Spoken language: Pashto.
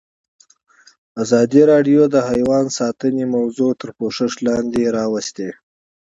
ازادي راډیو د حیوان ساتنه موضوع تر پوښښ لاندې راوستې.